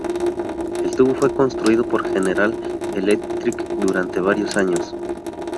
El tubo fue construido por General Electric durante varios años.